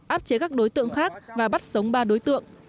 áp chế các đối tượng khác và bắt sống ba đối tượng